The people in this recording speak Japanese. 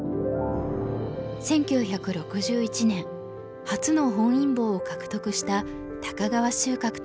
１９６１年初の本因坊を獲得した高川秀格との七番勝負。